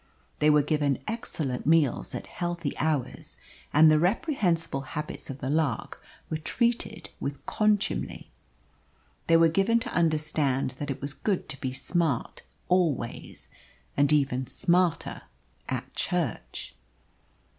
They were given excellent meals at healthy hours, and the reprehensible habits of the lark were treated with contumely. They were given to understand that it was good to be smart always, and even smarter at church.